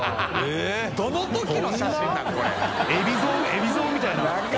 海老蔵みたいな。